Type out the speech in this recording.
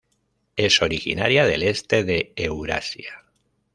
Es originaria del este de Eurasia.